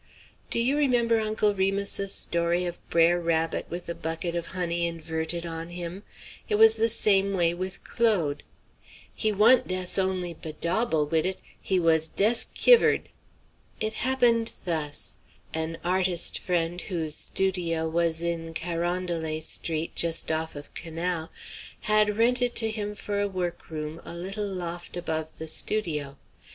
Do you remember Uncle Remus's story of Brer Rabbit with the bucket of honey inverted on him? It was the same way with Claude. "He wa'n't des only bedobble wid it, he wuz des kiver'd." It happened thus: An artist friend, whose studio was in Carondelet Street just off of Canal, had rented to him for a workroom a little loft above the studio.